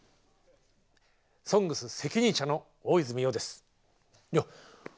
「ＳＯＮＧＳ」責任者の大泉洋です。